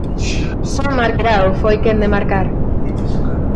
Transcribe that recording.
Só Marc Grau foi quen de marcar.